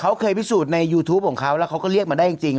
เขาเคยพิสูจน์ในยูทูปของเขาแล้วเขาก็เรียกมาได้จริง